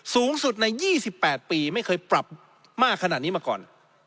สูงสุดใน๒๘ปีไม่เคยปรับมากขนาดนี้มาก่อน